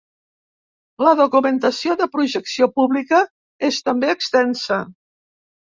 La documentació de projecció pública és també extensa.